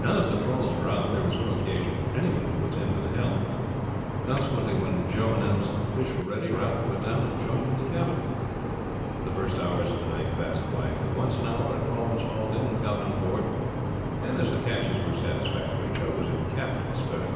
Now that the trawls were out there was no occasion for any one to attend to the helm, consequently when Joe announced that the fish were ready Ralph went down and joined him in the cabin. The first hours of the night passed quietly. Once an hour a trawl was hauled in and got on board, and as the catches were satisfactory Joe was in capital spirit.